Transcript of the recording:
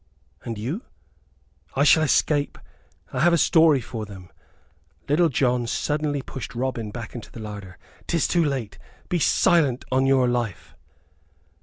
"And you?" "I shall escape. I have a story for them." Little John suddenly pushed Robin back into the larder. "'Tis too late: be silent on your life."